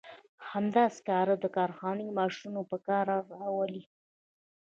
همدا سکاره د کارخونې ماشینونه په کار راولي.